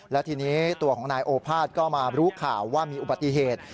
และทีนี้ตัวของนายโอภาษก็มารู้ข่าวว่ามีอุบัติเหตุ